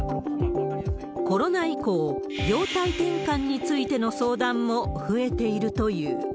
コロナ以降、業態転換についての相談も増えているという。